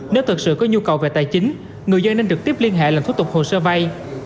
nếu thực sự có nhu cầu về tài chính người dân nên trực tiếp liên hệ làm thủ tục hồ sơ vay